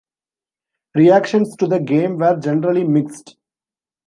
Reactions to the game were generally mixed.